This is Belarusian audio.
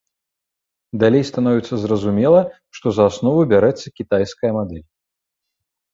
Далей становіцца зразумела, што за аснову бярэцца кітайская мадэль.